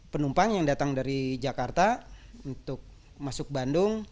penumpang yang datang dari jakarta untuk masuk bandung